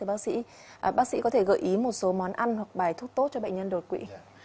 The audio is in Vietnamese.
bác sĩ có thể gợi ý một số món ăn hoặc bài thuốc tốt cho bệnh nhân đột quỵ